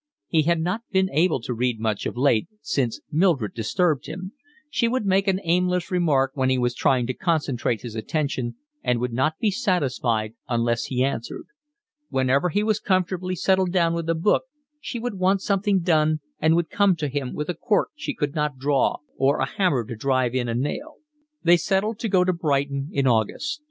He had not been able to read much of late, since Mildred disturbed him: she would make an aimless remark when he was trying to concentrate his attention, and would not be satisfied unless he answered; whenever he was comfortably settled down with a book she would want something done and would come to him with a cork she could not draw or a hammer to drive in a nail. They settled to go to Brighton in August.